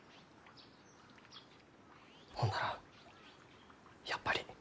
ほんならやっぱり。